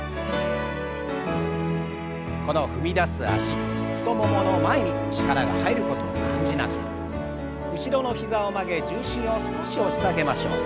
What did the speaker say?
この踏み出す脚太ももの前に力が入ることを感じながら後ろの膝を曲げ重心を少し押し下げましょう。